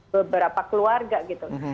beberapa keluarga gitu